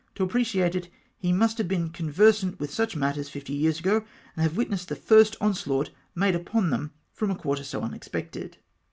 To appreciate it he must have been conversant with such matters fifty years ago, and have witnessed the first onslaught made upon them from a quarter so unexpected.